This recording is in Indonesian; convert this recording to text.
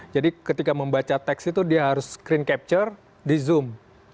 jadi ketika membaca teks itu dia harus screen capture di zoom